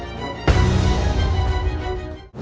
เวลาที่๑ที่๑ข้อมูล